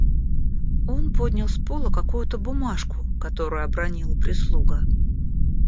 Он поднял с пола какую-то бумажку, которую обронила прислуга.